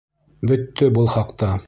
Бөттө был хаҡта!